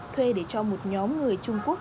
thuê để cho một nhóm người trung quốc